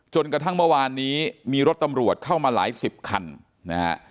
จนกระทั่งเมื่อวานนี้มีรถตำรวจเข้ามาหลายสิบคันนะฮะ